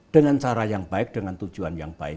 dengan cara yang baik dengan tujuan yang baik